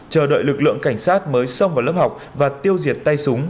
chờ đợi lực lượng cảnh sát mới xông vào lớp học và tiêu diệt tay súng